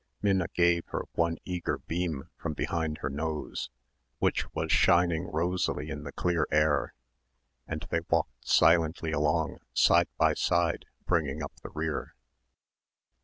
Minna gave her one eager beam from behind her nose, which was shining rosily in the clear air, and they walked silently along side by side bringing up the rear.